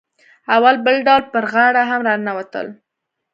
او بل ډول پر غاړه هم راننوتل.